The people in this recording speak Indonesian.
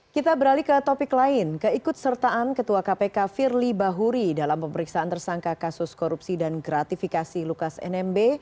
kita beralih ke topik lain keikut sertaan ketua kpk firly bahuri dalam pemeriksaan tersangka kasus korupsi dan gratifikasi lukas nmb